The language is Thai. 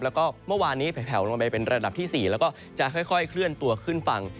แล้วก็เมื่อวานนี้แผลวลงไปเป็นระดับที่๔แล้วก็จะค่อยเคลื่อนตัวขึ้นฝั่ง